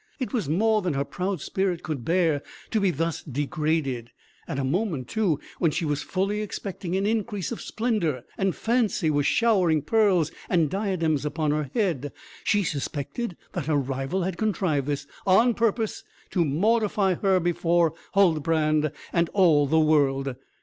It was more than her proud spirit could bear, to be thus degraded; at a moment, too, when she was fully expecting an increase of splendour, and fancy was showering pearls and diadems upon her head. She suspected that her rival had contrived this, on purpose to mortify her before Huldbrand and all the world.